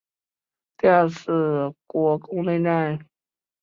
第二次国共内战时期在第二野战军作战。